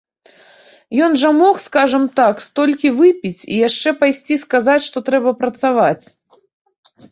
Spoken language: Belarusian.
Ён жа мог, скажам так, столькі выпіць і яшчэ пайсці сказаць, што трэба працаваць.